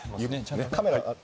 カメラ。